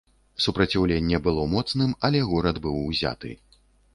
Супраціўленне было моцным, але горад быў узяты.